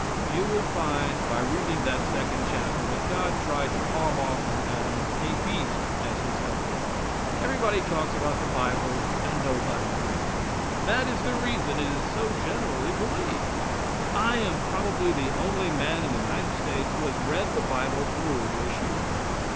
You will find by reading that second chapter that God tried to palm off on Adam a beast as his helpmeet. Everybody talks about the Bible and nobody reads it; that is the reason it is so generally believed. I am probably the only man in the United States who has read the Bible through this year.